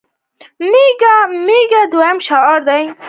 میک ان انډیا د دوی شعار دی.